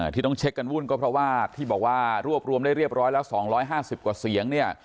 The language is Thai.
ที่ต้องเช็คกันวุ่นก็เพราะว่าที่บอกว่ารวบรวมได้เรียบร้อยแล้ว๒๕๐กว่าเสียงเนี่ย